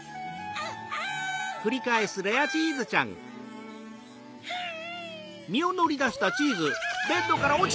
アンアン！